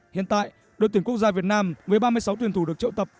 hiện tại đội tuyển quốc gia việt nam với ba mươi sáu tuyển thủ được triệu tập